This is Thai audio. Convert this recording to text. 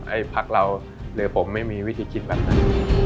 พักเราหรือผมไม่มีวิธีคิดแบบนั้น